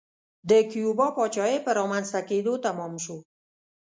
د کیوبا پاچاهۍ په رامنځته کېدو تمام شو.